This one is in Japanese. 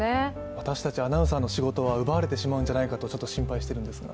私たちアナウンサーの仕事は奪われてしまうんじゃないかとちょっと心配しているんですが。